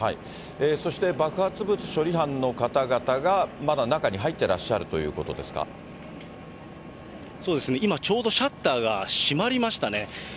そして、爆発物処理班の方々が、まだ中に入ってらっしそうですね、今、ちょうどシャッターが閉まりましたね。